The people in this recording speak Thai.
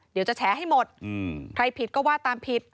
เดี๋ยวจะแฉให้หมดใครผิดก็ว่าตามผิด